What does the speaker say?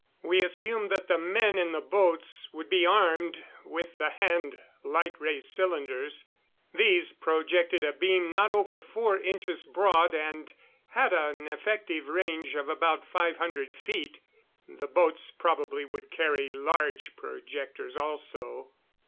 We assumed that the men in the boats would be armed with the hand light ray cylinders. These projected a beam not over four inches broad and had an effective range of about five hundred feet. The boats probably would carry large projectors also.